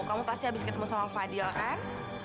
kamu pasti habis ketemu sama fadil kan